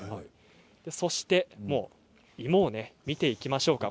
そして芋を見ていきましょうか。